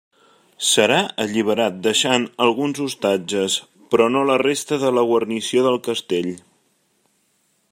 Serà alliberat deixant alguns ostatges, però no la resta de la guarnició del castell.